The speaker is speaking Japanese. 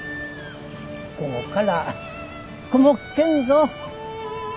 午後から曇っけんぞ。